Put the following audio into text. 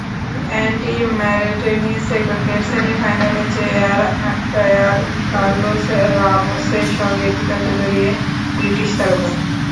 Andy Murray tennis এককের সেমিফাইনালে chair umpire Carlos রামোসের সঙ্গে বিতর্কে জড়িয়ে ব্রিটিশ তারকা।